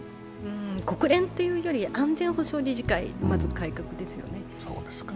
国連というより安全保障理事会、まず改革ですよね。